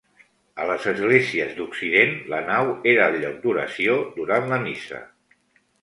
A les esglésies d'Occident, la nau era el lloc d'oració durant la missa.